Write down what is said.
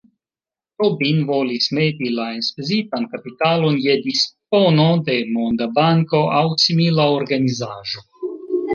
Tobin volis meti la enspezitan kapitalon je dispono de Monda Banko aŭ simila organizaĵo.